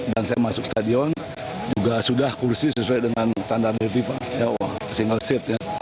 dan saya masuk stadion juga sudah kursi sesuai dengan standar retipa single seat